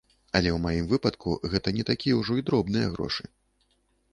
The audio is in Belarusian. Але ў маім выпадку гэта не такія ўжо і дробныя грошы.